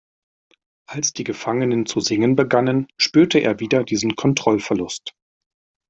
Als die Gefangenen zu singen begannen, spürte er wieder diesen Kontrollverlust.